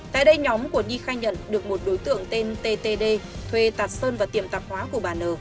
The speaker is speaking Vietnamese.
tại đây nhóm của nhi khai nhận được một đối tượng tên ttd thuê tạt sơn vào tiệm tạp hóa của bà n